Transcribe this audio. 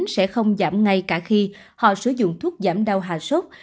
sẽ không giảm ngay cả khi họ sử dụng thuốc giảm đau hạ sốt